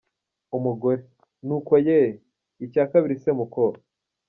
Umugore: Ni uko ye!!! Icya kabiri se muko?.